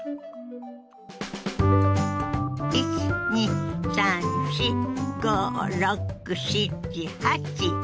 １２３４５６７８。